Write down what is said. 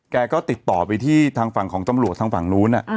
แกก็ติดต่อไปที่ทางฝั่งของตำรวจทางฝั่งนู้น